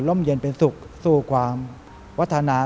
เย็นเป็นสุขสู้ความวัฒนา